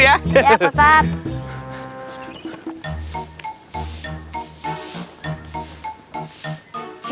iya pak ustadz